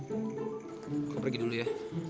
aku pergi dulu ya